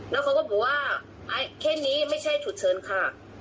แล้วเขาก็บอกว่าแค่นี้ไม่ใช่ฉุดเชิญค่ะ